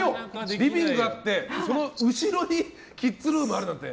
リビングがあってその後ろにキッズルームあるって。